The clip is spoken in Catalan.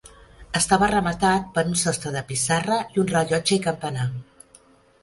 Estava rematat per un sostre de pissarra i un rellotge i campanar.